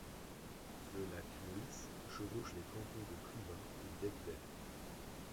Le lac Loïs chevauche les cantons de Privat et d’Aiguebelle.